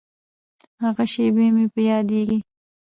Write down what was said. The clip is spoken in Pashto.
هغه شېبې مې په یادیږي.